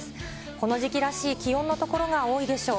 この時期らしい気温の所が多いでしょう。